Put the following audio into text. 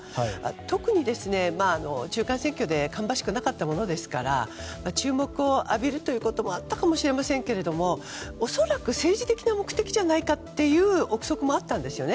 特に、中間選挙で芳しくなかったものですから注目を浴びるということもあったかもしれませんけれども恐らく政治的な目的じゃないかという憶測もあったんですよね。